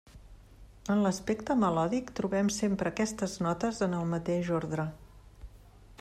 En l'aspecte melòdic, trobem sempre aquestes notes en el mateix ordre.